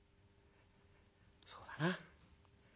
「そうだな。